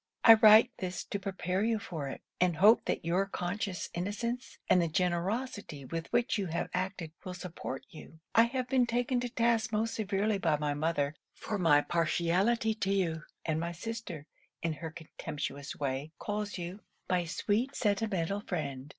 I write this to prepare you for it; and hope that your conscious innocence, and the generosity with which you have acted, will support you. I have been taken to task most severely by my mother for my partiality to you; and my sister, in her contemptuous way, calls you my sweet sentimental friend.